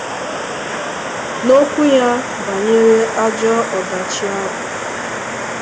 N'okwu ya banyere ajọ ọdachi ahụ